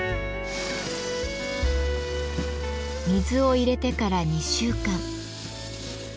水を入れてから２週間。